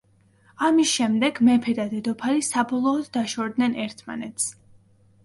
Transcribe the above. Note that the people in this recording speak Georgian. ამის შემდეგ მეფე და დედოფალი საბოლოოდ დაშორდნენ ერთმანეთს.